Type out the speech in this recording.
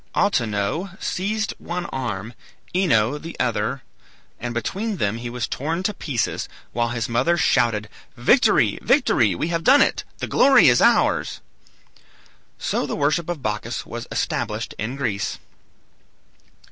Autonoe seized one arm, Ino the other, and between them he was torn to pieces, while his mother shouted, "Victory! Victory! we have done it; the glory is ours!" So the worship of Bacchus was established in Greece.